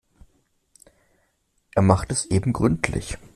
Er macht es eben gründlich.